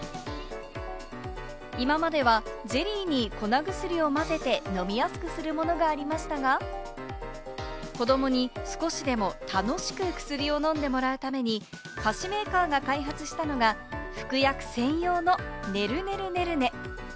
今まではゼリーに粉薬を混ぜて飲みやすくするものがありましたが、子どもに少しでも楽しく薬を飲んでもらうために菓子メーカーが開発したのが、服薬専用の「ねるねるねるね」。